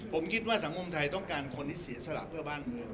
ผมคิดว่าสังคมไทยต้องการคนที่เสียสละเพื่อบ้านเมือง